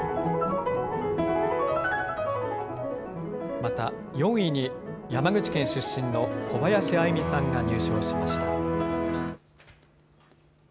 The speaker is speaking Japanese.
また、４位に山口県出身の小林愛実さんが入賞しました。